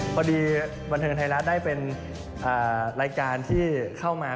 พอดีบันเทิงไทยรัฐได้เป็นรายการที่เข้ามา